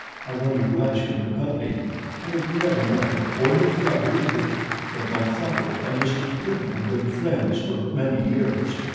I wanted to ask him to help me. I have never met him, or his daughter either; but my father and Mr. Prim have been friends for many years.